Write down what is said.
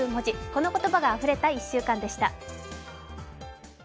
この言葉があふれた１週間でした。